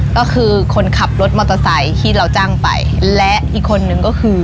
ก็คือคนขับรถมอเตอร์ไซค์ที่เราจ้างไปและอีกคนนึงก็คือ